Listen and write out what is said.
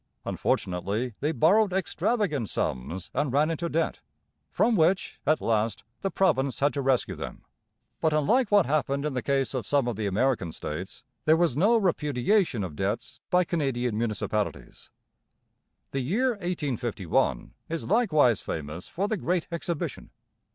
Unfortunately they borrowed extravagant sums and ran into debt, from which, at last, the province had to rescue them. But, unlike what happened in the case of some of the American states, there was no repudiation of debts by Canadian municipalities. The year 1851 is likewise famous for the Great Exhibition.